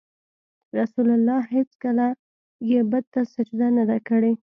رسول الله ﷺ هېڅکله یې بت ته سجده نه ده کړې.